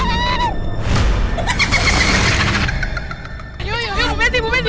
ibu beti ibu beti